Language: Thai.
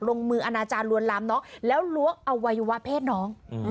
ลงมืออนาจารย์ลวนลามน้องแล้วล้วงอวัยวะเพศน้อง